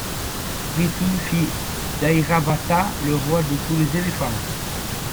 Prithu fit d'Airavata le roi de tous les éléphants.